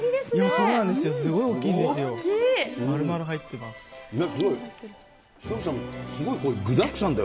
そうなんですよ、すごい大きいんですよ。